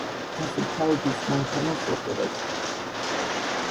დასუფთავების მანქანას" უყურებთ.